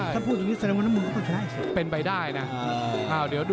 ถ้าพูดอย่างนี้น้ำมวลก็ต้องชนะให้สิ